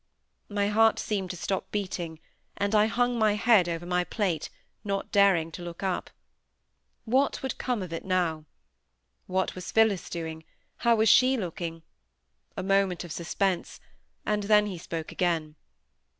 My heart seemed to stop beating, and I hung my head over my plate, not daring to look up. What would come of it now? What was Phillis doing? How was she looking? A moment of suspense,—and then he spoke again.